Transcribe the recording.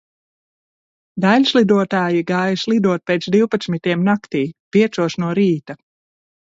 Daiļslidotāji gāja slidot pēc divpadsmitiem naktī, piecos no rīta.